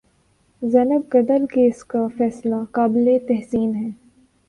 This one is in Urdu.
زینب قتل کیس کا فیصلہ قابل تحسین ہے